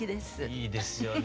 いいですよね。